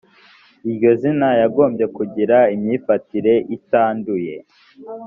iryo zina yagombye kugira imyifatire itanduye